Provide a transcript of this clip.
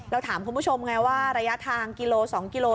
เราถามคุณผู้ชมไงว่าระยะทาง๑๒กิโลเมตร